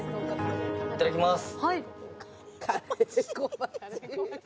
いただきます。